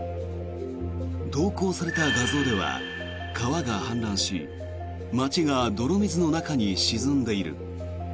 投稿された画像では川が氾濫し街が泥水の中に沈んでいる。